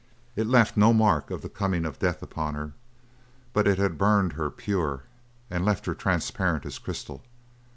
It left no mark of the coming of death upon her. But it had burned her pure and left her transparent as crystal.